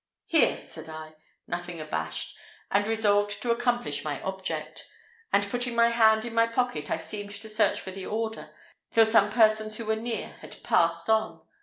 "Here!" said I, nothing abashed, and resolved to accomplish my object; and, putting my hand in my pocket, I seemed to search for the order till some persons who were near had passed on.